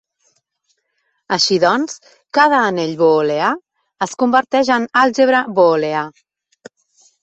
Així doncs, cada anell booleà es converteix en àlgebra booleà.